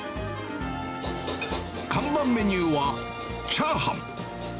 看板メニューはチャーハン。